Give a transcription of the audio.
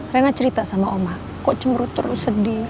reina cerita sama oma kok cemurut terus sedih